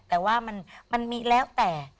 แต่ว่ามันมีแล้วแต่